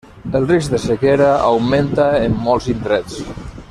El risc de sequera augmenta en molts indrets.